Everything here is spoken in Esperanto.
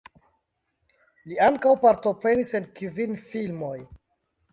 Li ankaŭ partoprenis en kvin filmoj.